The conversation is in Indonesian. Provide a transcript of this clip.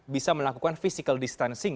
bisa melakukan physical distancing